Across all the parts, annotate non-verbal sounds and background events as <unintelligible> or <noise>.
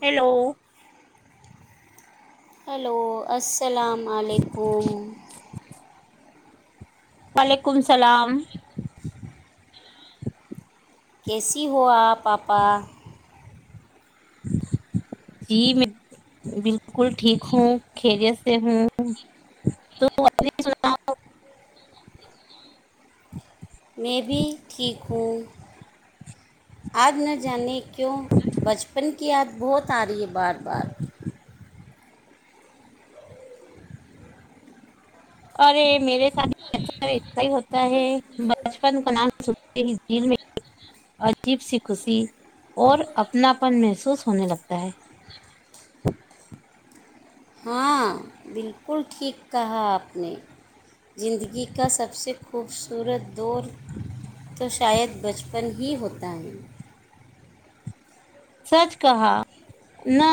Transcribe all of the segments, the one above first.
Hello hello السلام علیکم وعلیکم اللام کسی ہو آ پپا جی میں بالکل ٹھیک ہوں خیریت سے ہوں تو میں بھی ٹھیک ہوں آج نہ جانے کیوں بچپن کی یاد بہت آ رہی ہے بار بار اورر میرے سامنے ہی ہوتا ہے بچپن کا نام سنتے ہی جل میں عجیب سی خوشی اور اپناپن محسوس ہونے لگتا ہے ہاں بالکل ٹھیک کہا آپ نے زندگی کا سب سے خوبصورت دور تو شاید بچپن ہی ہوتا ہے سچ کہا نہ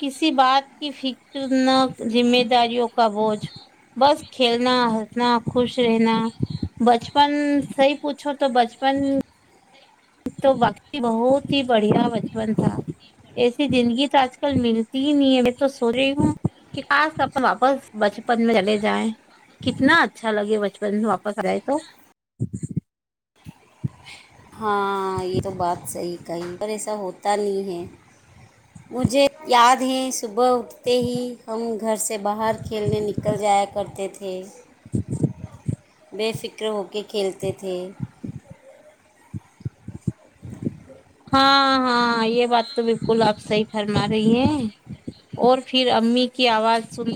کسی بات کی فکر نہ ذمہ داریوں کا بوجھ بس کھیلنا ہنسنا خوش رہنا بچپن صی پوچھو تو بچپن تو باقی بہت ہی بڑھیا بچپن تھا ایسی زندگی تو آج کل ملتی ہی نہیں ہے میں تو سو رہی ہوں کہ خ س اپ واپس بچپن میں چلے جائیں کتنا اچھا لگے بچپن میں واپس آ جائے تو ہاں یہ تو بات صحیح کہی پر ایسا ہوتا نہیں ہے مجھے یاد ہے صبح اٹھتے ہی ہم گھر سے باہر کھیلنے نکل جایا کرتے تھے بے فک کر ہوک کھیلتے تھے ہاں ہاں یہ بات تو بالکل آپ صحیح فرما رہی ہیں اور پھر امی کی آواز سن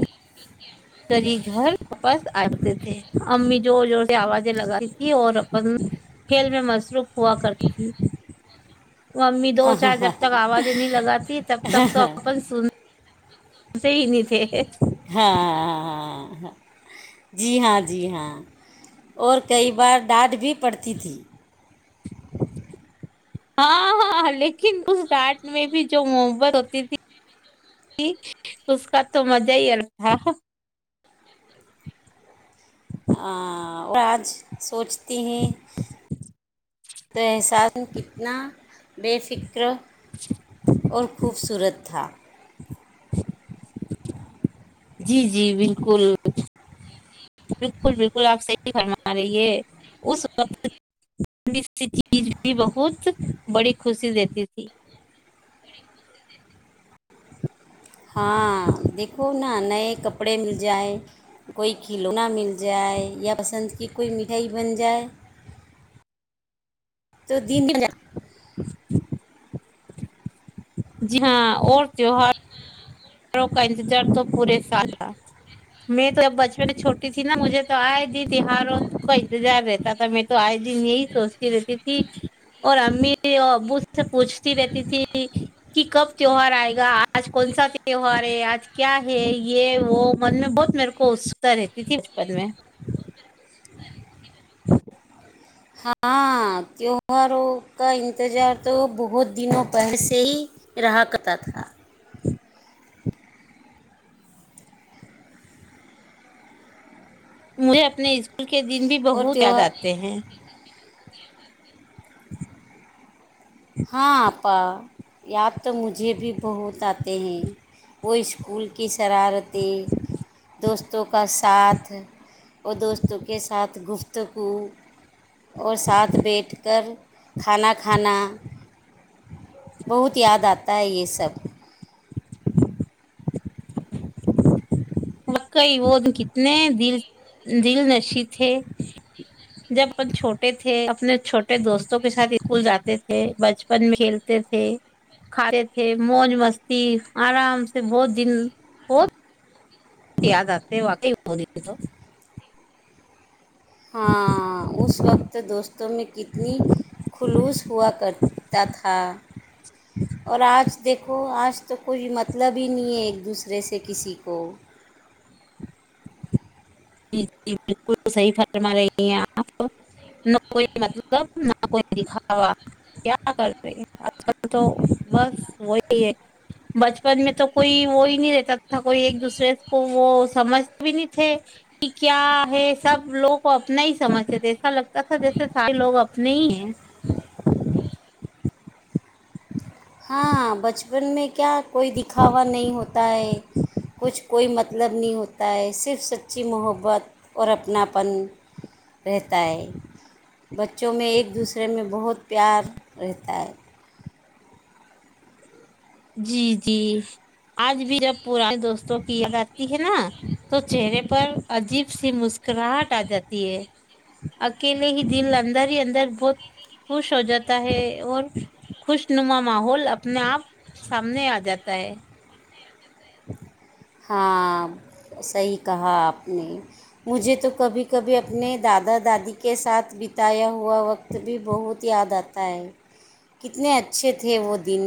سری گھر واپس آے تھے امی زور زور سے آوازیں لگاتی تیں اور اپن کھیل میں مصروف ہوا کرتی تھی ممی دو چار جب تک آوازیں نہیں لگاتی تب تک تو اپن سن صح ہی نہیں تھے ہاں ہاں ہاں ہاں ہاں ہاں جی ہاں جی ہاں اور کئی بار ڈانٹ بھی پڑتی تھی ہاں ہاں لیکن اس گاٹ میں بھی جو محبت ہوتی تھی اس کا تو مزہ ہی ال تھا آ، اور آج سوچ تین تحسس کتنا بے فکر اور خوبصورت تھا جی جی بالکل بالکل بالکل آپ صحیح بم رہیے اس وقت چیز بھی بہت بڑی خوشی دیتی تھی ہاں دیکھو ہاں نئے کپڑے مل جائیں کوئی کھلونا مل جائے یا پسند کی کوئی مٹھائی بن جائے تو دن <inaudible> جی ہاں اور جوہر توار کا انتظار تو پورے سال تھا میں تو جب بچپن چھوٹی تھی نا مجھے تو آئے دن تیوہاروں کا انتظار رہتا تھا میں تو آئے دن یہی سوچتی رہتی تھی اور امی اور ابو سے پوچھتی رہتی تھی کہ کب تیوہار آئے گا آج کون سا تیوہار آج کیا ہے یہ وہ من میں بہت میرے کو اتسکتا رہتی تھی بچپن میں ہ <unintelligible> ہاں تیواروں کا انتظار تو بہت دنوں پہر سے ہی رہا کرتا تھا مجھے اپنے کے دن بھی اور بہت یاد تیوہار آتے ہیں <inaudible> ہاں اپپا یاد تو مجھے بھی بہت آتے ہیں وہ اسکول کی شرارتیں دوستوں کا ساتھ وہ دوستوں کے ساتھ گفتگو اور ساتھ بیٹھ کر کھانا کھانا بہت یاد آتا ہے یہ سب وکعی وہ کتنے دل دل نشے تھے جب اپ چھوٹے تھے اپنے چھوٹے دوستوں کے ساتھ اسکول جاتے تھے بچپن میں کھیلتے تھے کھاتے تھے موج مستی آرام سے بہت دن ب یاد آتے واقعی ہو رہ تو ہاں اس وقت دوستوں میں کتنی خلوص ہوا کرتا تھا اور آج دیکھو آج تو کوئی مطلب ہی نہیں ہے ایک دوسرے سے کسی کو ج جی بالکل صحیح فرما رہی ہیں آپ نہ کوئی مطلب نہ کوئی دکھاوا کیا کر رہ آج کل تو بس وہی ہے بچپن میں تو کوئی وہی نہیں رہتا تھا کوئی ایک دوسرے کو وہ سمجھ بھی نہیں تھے کیا ہے سب لوگوں کو اپنا ہی سمجھتے تھے ایسا لگتا تھا جیسے سارے لوگ اپنے ہی ہیں ہاں بچپن میں کیا کوئی دکھاوا نہیں ہوتا ہے کچھ کوئی مطلب نہیں ہوتا ہے صرف سچی محبت اور اپناپن رہتا ہے بچوں میں ایک دوسرے میں بہت پیار رہتا ہے جی جی آج بھی رب پانی دوستوں کیا کرتی ہے نا تو چہرے پر عجیب سی مسکراہٹ آ جاتی ہے اکیلے ہی دل اندر ہی اندر بہت خوش ہو جاتا ہے اور خوش نما ماحول اپنے آپ سامنے آ جاتا ہے ہ <inaudible> ہاں صحیح کہا آپ نے مجھے تو کبھی کبھی اپنے دادا دادی کے ساتھ بتایا ہوا وقت بھی بہت یاد آتا ہے کتنے اچھے تھے وہ دن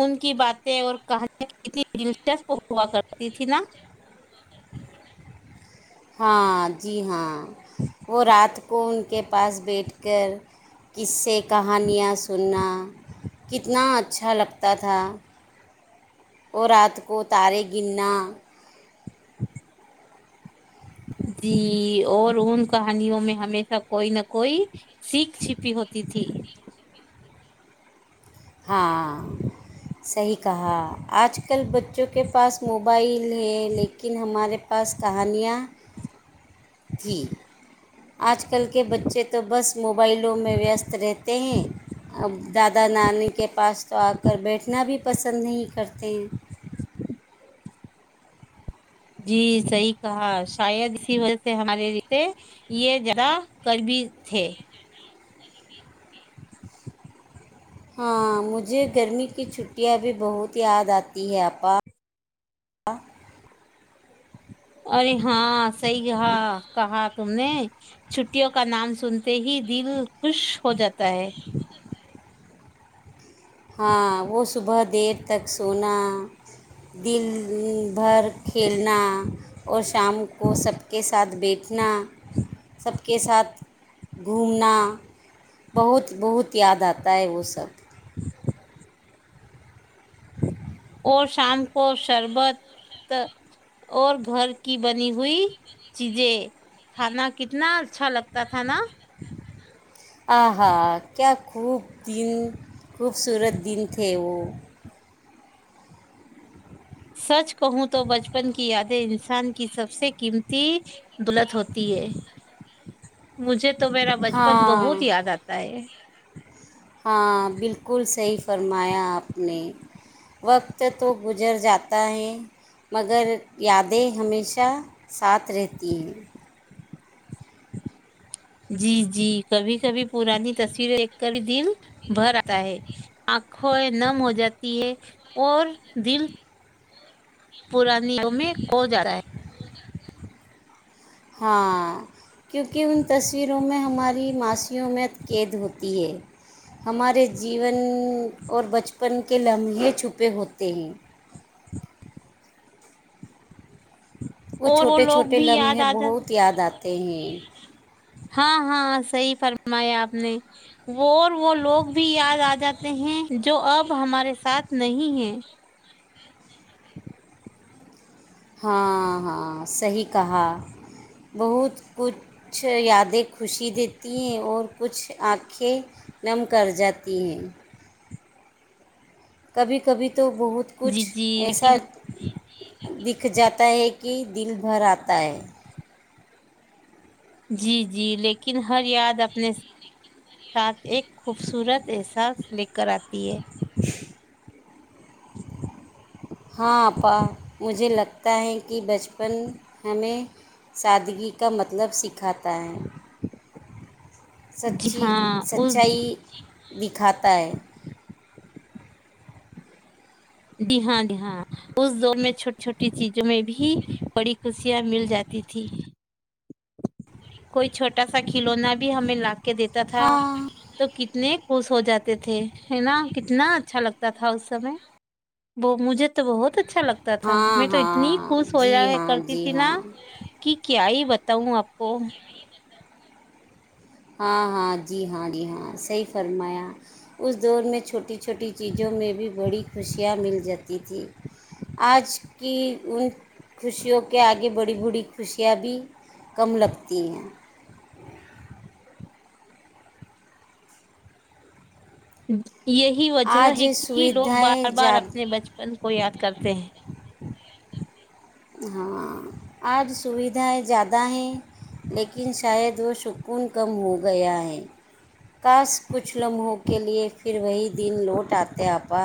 ان کی باتیں اور کہانیا کتنی دلچسپ ہوا کرتی تھی نا ہاں جی ہاں وہ رات کو ان کے پاس بیٹھ کر کس سے کہانیاں سننا کتنا اچھا لگتا تھا اور رات کو تارے گننا <inaudible> جی اور ان کہانیوں میں ہمیشہ کوئی نہ کوئی سیککھ چھپی ہوتی تھی ہاں صحیح کہا آج آج کل بچوں کے پاس موبائل ہے لیکن ہمارے پاس کہانیاں تھھییں آج کل کے بچے تو بس موبائلوں میں ویست رہتے ہیں ا دادا نانی کے پاس تو آ کر بیٹھنا بھی پسند نہیں کرتے ہیں جی صحیح کہا شاید اسی وجہ سے ہمارے لیے یہ زیادہ کربی تھے <inaudible> ہاں مجھے گرمی کی چھٹیاں بھی بہت یاد آتی ہے آا ارے ہاں صحی کہا کہا تم نے چھٹیوں کا نام سنتے ہی دل خوش ہو جاتا ہے ہاں وہ صبح دیر تک سونا دل بھر کھیلنا اور شام کو سب کے ساتھ بیٹھنا سب کے ساتھ گھومنا بہت بہت یاد آتا ہے وہ سب <inaudible> اور شام کو شربت اور گھر کی بنی ہوئی چیزیں کھانا کتنا اچھا لگتا تھا نا آ ہاں کیا خوب دن خوبصورت دن تھے وہ سچ کہوں تو بچپن کی یادیں ان کی سب سے قیمتی دولت ہوتی ہے مجھے تو میرا بچپن ہاں بہت یاد آتا ہے ہاں بالکل صحیح فرمایا آپ نے وقت تو گزر جاتا ہے مگر یادیں ہمیشہ ساتھ رہتی ہیں جی جی کبھی کبھی پرانی تصویریں ایک کر ہی دل بھر آتا ہے آنکھوں نم ہو جاتی ہے اور دل پرانی میں ہو جاتا ہے ہاں کیونکہ ان تصویروں میں ہماری معاسییوں میں قید ہوتی ہے ہمارے جیون اور بچپن کے لمحے چھپے ہوتے ہیں وہ اور چھوٹے لوگ چھوٹے بھی یاد لمحے آ جاتے بہت ہیں. یاد آتا ت ہاں ہاں صحی فرمایا آپ نے اور وہ لوگ بھی یاد آ جاتے ہیں جو اب ہمارے ساتھ نہیں ہے <inaudible> ہاں ہاں صحیح کہا بہت کچھ یادیں خوشی دیتی ہیں اور کچھ آنکھیں نم کر جاتی ہیں کبھی کبھی تو بہت جی کچھ جی ایسا لیکن دکھ جاتا ہے کہ دل بھر آتا ہے جی جی لیکن ہر یاد اپنے ساتھ ایک خوبصورت احساس لے کر آتی پے ہاں اپا مجھے لگتا ہے کہ بچپن ہمیں سادگی کا مطلب سکھاتا ہے جی سچی ہاں اس سچائی دکھاتا ہے جی ہاں جی ہاں اس دوور میں چھوٹی چھوٹیے چیزوں میں بھی بڑی خوشیاں مل جاتی تھی کوئی چھوٹا سا کھلونا بھی ہمیں لگتا کے دیتا تھا ہاں تو کتنے خوش ہو جاتے تھے نا کتنا اچھا لگتا تھا اس سمے وہ مجھے تو بہت اچھا لگتا تھا ہاں میں تو اتنی ہاں خوش ہو جی جا ہاں کرتی جی تھی نا ہاں کہ کیا ہی ب بتاؤوں آپ وہ ہاں ہاں جی ہاں جی ہاں صحیح فرمایا اس دور میں چھوٹی چھوٹی چیزوں میں بھی بڑی خوشیاں مل جاتی تھی آج کی ان خوشیوں کے آگے بڑی بڑی خوشیاں بھی کم لگتی ہیں ہوں یہی وجہ آج ہے کہ لوگ سویدھائیں بار بار زیادہ اپنے بچپن کو یاد کرتے ہیں ہاں آج سویدھائیں زیادہ ہیں لیکن شاید وہ شکر کون کم ہو گیا ہے کاس کچھ لمحوں کے لیے پھر وہی دن لوٹ آتے آپا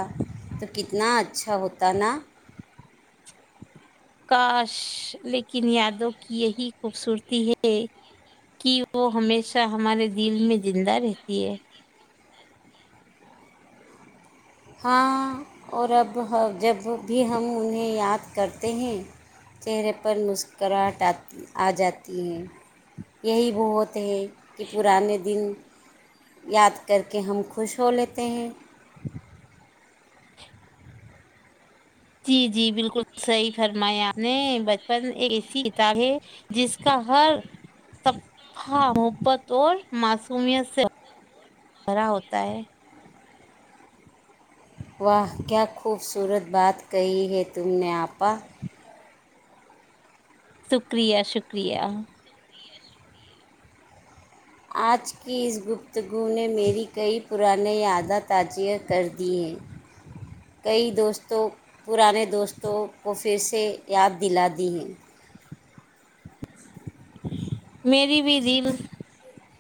تو کت اتنا اچھا ہوتا نا کاش لیکن یادوں کی یہی خوبصورتی ہے کہ وہ ہمیشہ ہمارے دل میں زندہ رہتی ہے ہاں اور اب جب بھی ہم انہیں یاد کرتے ہیں چہرے پر مسکراہٹ آ آ جاتی ہے یہی وہ ہوتے ہیں کہ پرانے دن یاد کر کے ہم خوش ہو لیتے ہیں جی جی بالکل صحیح فرمایا آپ نے بچپن ایک ایسی کتاب ہے جس کا ہر صفہ محبت اور معصومیت سے بھرا ہوتا ہے وہاہ کیا خوبصورت بات کہی ہے تم نے آپا شکریہ شکریہ اج کی اس گفتگو نے میری کئی پرانے عادت اجی کر دی ہیں کئی دوستوں پرانے دوستو کو پھر سے یاد دلاتی ہیں میری بھی دل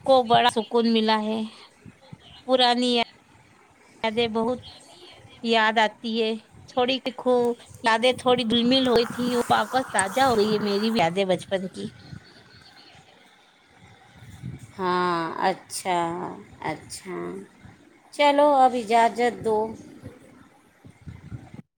کو بڑا سکون ملا ہے پرانی یادیں بہت یاد آتی ہے تھوڑی کہکھو یادیں تھوڑی دمل ہوئی تھی وہ واپس تازہ ہوئی ہے میری بھی یادیں بچپن کی ہاں اچھا اچھا چلو اب اجازت دو